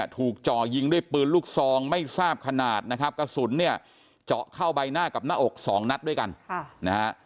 จ่อยิงด้วยปืนลูกซองไม่ทราบขนาดนะครับกระสุนเนี่ยเจาะเข้าใบหน้ากับหน้าอกสองนัดด้วยกันนะฮะ